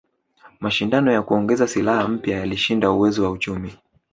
Mashindano ya kuongeza silaha mpya yalishinda uwezo wa uchumi